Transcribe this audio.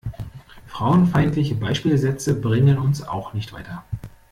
Frauenfeindliche Beispielsätze bringen uns auch nicht weiter.